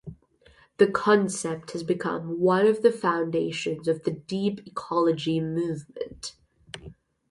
The concept has become one of the foundations of the deep ecology movement.